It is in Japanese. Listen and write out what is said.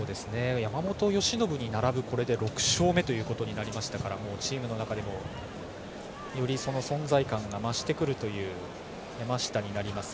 山本由伸に並ぶこれで６勝目となりましたからチームの中でも、より存在感が増してくるという山下になります。